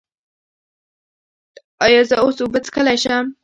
ایا زه اوس اوبه څښلی شم؟